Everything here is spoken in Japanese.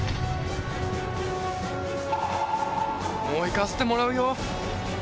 もう行かせてもらうよ！